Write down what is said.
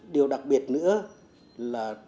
điều đặc biệt nữa là